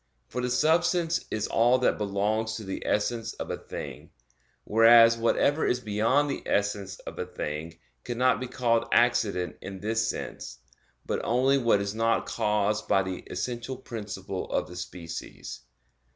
For the substance is all that belongs to the essence of a thing; whereas whatever is beyond the essence of a thing cannot be called accident in this sense; but only what is not caused by the essential principle of the species.